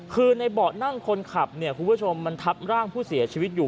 คือในเบาะนั่งคนขับเนี่ยคุณผู้ชมมันทับร่างผู้เสียชีวิตอยู่